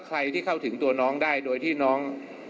ใครที่เข้าถึงตัวน้องได้โดยที่น้อง